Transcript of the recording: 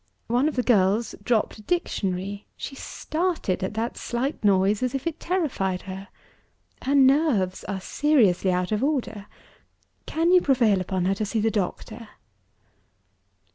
One of the girls dropped a dictionary. She started at that slight noise, as if it terrified her. Her nerves are seriously out of order. Can you prevail upon her to see the doctor?"